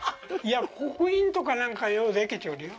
刻印とかなんか、ようできとるよ